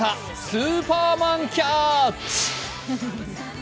スーパーマンキャッチ。